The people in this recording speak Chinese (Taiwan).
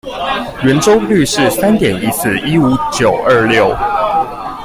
圓周率是三點一四一五九二六